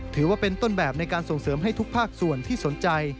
ถือว่าเป็นต้นแบบในการส่งเสริมให้ทุกภาคส่วนที่สนใจ